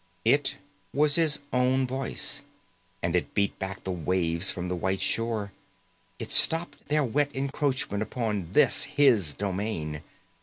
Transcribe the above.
It was his own voice, and it beat back the waves from the white shore, it stopped their wet encroachment upon this, his domain.